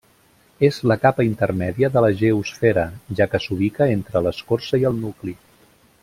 És la capa intermèdia de la geosfera, ja que s'ubica entre l'escorça i el nucli.